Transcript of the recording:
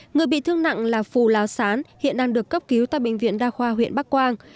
người bị thương nặng là phù láo sán hiện đang được cấp cứu tại bệnh viện đa khoa huyện bắc quang